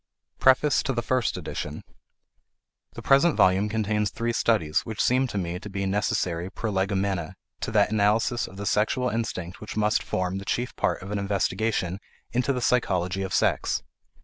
PREFACE TO THE FIRST EDITION. The present volume contains three studies which seem to me to be necessary prolegomena to that analysis of the sexual instinct which must form the chief part of an investigation into the psychology of sex.